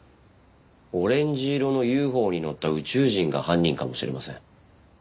オレンジ色のＵＦＯに乗った宇宙人が犯人かもしれません。